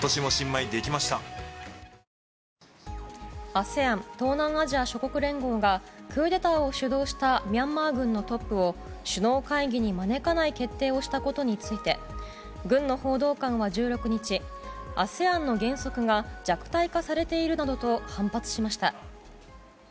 ＡＳＥＡＮ・東南アジア諸国連合がクーデターを主導したミャンマー軍のトップを首脳会議に招かない決定をしたことについて軍の報道官は１６日ＡＳＥＡＮの原則が弱体化されているなどと反発しました。